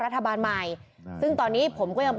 ถ่ายไปหน่อย